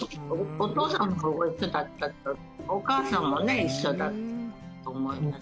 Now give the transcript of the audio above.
お父様も一緒だったと、お母様もね、一緒だったと思います。